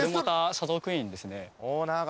シャドークイーンです！